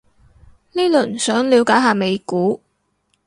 呢輪想了解下美股